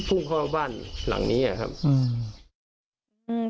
ตัวผู้เสียหายติดใจสงสัยหลายประเด็นนะคะ